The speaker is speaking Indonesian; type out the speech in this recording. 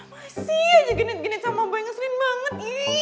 masih aja genit dua sama boy ngeselin banget